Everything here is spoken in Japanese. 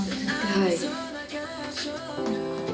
はい。